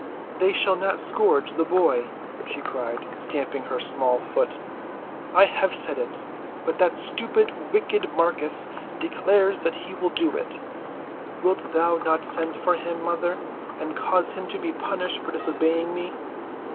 "They shall not scourge the boy!" she cried, stamping her small foot. "I have said it; but that stupid, wicked Marcus declares that he will do it. Wilt thou not send for him, mother, and cause him to be punished for disobeying me?"